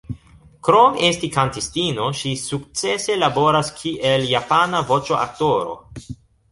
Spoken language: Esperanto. Krom esti kantistino, ŝi sukcese laboras kiel japana voĉoaktoro.